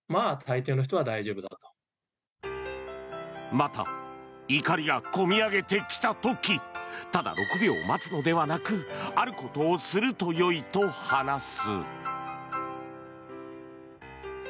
また、怒りが込み上げてきた時ただ６秒待つのではなくあることをするとよいと話す。